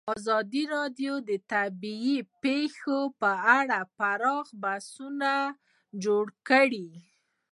ازادي راډیو د طبیعي پېښې په اړه پراخ بحثونه جوړ کړي.